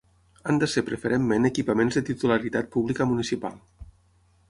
Han de ser preferentment equipaments de titularitat pública municipal.